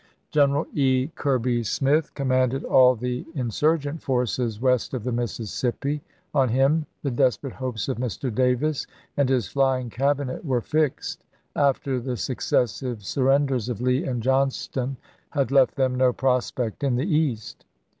General E. Kirby Smith commanded all the insur gent forces west of the Mississippi. On him the desperate hopes of Mr. Davis and his flying Cabinet were fixed, after the successive surrenders of Lee and Johnston had left them no prospect in the East.